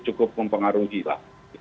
cukup mempengaruhi lah